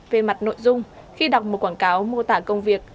về mặt nội dung khi đọc một quảng cáo mô tả công việc